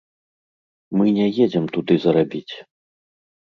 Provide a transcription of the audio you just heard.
Мы не едзем туды зарабіць.